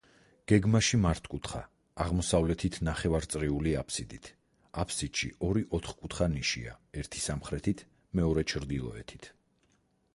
გეგმაში მართკუთხა, აღმოსავლეთით ნახევარწრიული აბსიდით, აბსიდში ორი ოთკუთხა ნიშია ერთი სამხრეთით, მეორე ჩრდილოეთით.